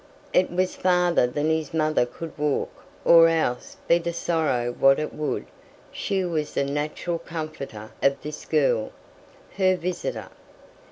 It was farther than his mother could walk, or else, be the sorrow what it would, she was the natural comforter of this girl, her visitor.